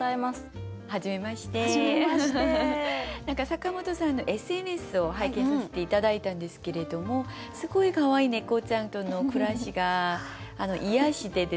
坂本さんのＳＮＳを拝見させて頂いたんですけれどもすごいかわいい猫ちゃんとの暮らしが癒やしでですね。